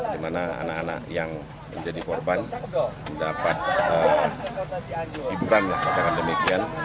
di mana anak anak yang menjadi korban dapat hiburan